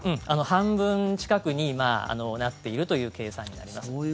半分近くになっているという計算になります。